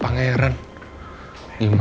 pangeran ikut dinner